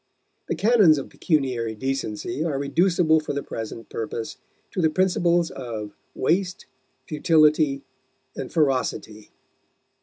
The canons of pecuniary decency are reducible for the present purpose to the principles of waste, futility, and ferocity.